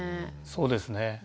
そうですね。